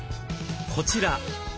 こちら。